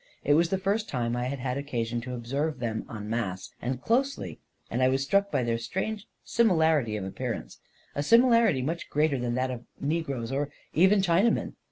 It was the first time I had had occasion to observe them en masse and closely, and I was struck by their strange similarity of appearance — a similarity much greater than that of negroes or even Chinamen.